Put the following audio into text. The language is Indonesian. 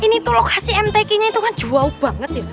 ini tuh lokasi mtk nya itu kan jauh banget ya